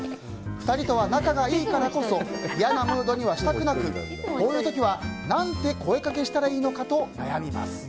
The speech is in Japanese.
２人とは仲がいいからこそ嫌なムードにはしたくなくこういうときは何て声掛けしたらいいのか悩みます。